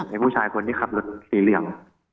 ผู้ชายคนที่ขับรถสีเหลือง